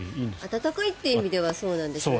暖かいという意味ではそうなんでしょうね。